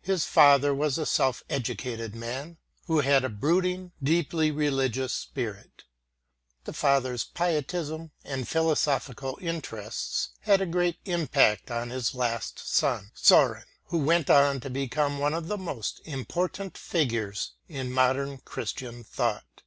His father was a self educated man who had a brooding, deeply religious spirit. The father's pietism and philosophical interests had a great impact on his last son, S°ren, who went on to become one of the most important figures in modern Christian thought.